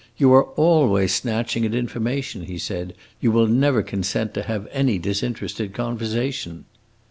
"You are always snatching at information," he said; "you will never consent to have any disinterested conversation."